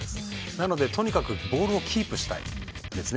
なので、とにかくボールをキープしたいんですね